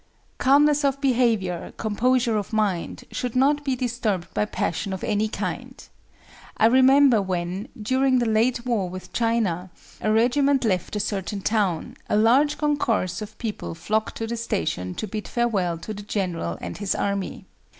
Calmness of behavior, composure of mind, should not be disturbed by passion of any kind. I remember when, during the late war with China, a regiment left a certain town, a large concourse of people flocked to the station to bid farewell to the general and his army.